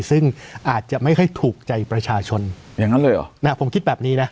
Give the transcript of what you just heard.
ซึ่งอาจจะไม่ค่อยถูกใจประชาชนผมคิดแบบนี้นะอย่างนั้นเลยหรอ